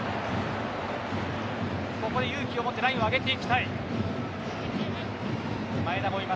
ここ勇気を持ってラインを上げていきたい。